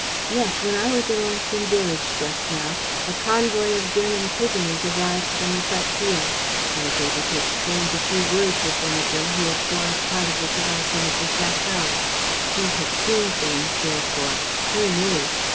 Yes, when I was at Ornequin village just now, a convoy of German prisoners arrived from the frontier. I was able to exchange a few words with one of them who had formed part of the garrison of the château. He had seen things, therefore. He knew.